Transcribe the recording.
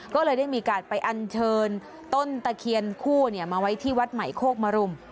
ก็เลยได้มีการไปอันเชิญต้นตะเคียนคู่มาไว้ที่วัดใหม่โคกมรุม